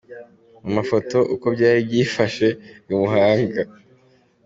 Mu mafoto, uko byari byifashe i Muhanga.